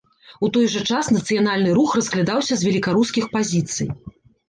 У той жа час нацыянальны рух разглядаўся з велікарускіх пазіцый.